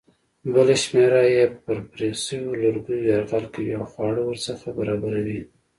بله شمېره یې پر پرې شویو لرګیو یرغل کوي او خواړه ورڅخه برابروي.